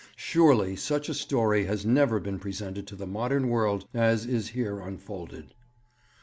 Surely such a story has never been presented to the modern world as is here unfolded.